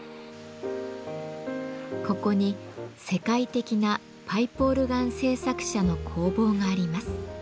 ここに世界的なパイプオルガン製作者の工房があります。